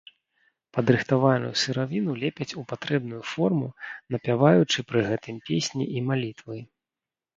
Падрыхтаваную сыравіну лепяць у патрэбную форму, напяваючы пры гэтым песні і малітвы.